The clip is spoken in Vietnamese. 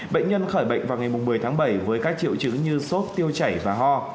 bệnh nhân khỏi bệnh vào ngày một mươi tháng bảy với các triệu chứng như sốt tiêu chảy và ho